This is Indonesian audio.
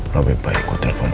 lebih baik gue telepon elsa